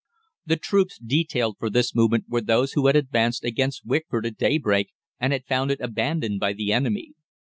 "The troops detailed for this movement were those who had advanced against Wickford at daybreak, and had found it abandoned by the enemy.